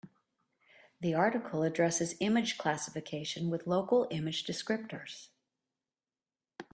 The article addresses image classification with local image descriptors.